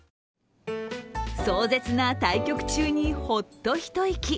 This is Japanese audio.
壮絶な対局中にホッと一息。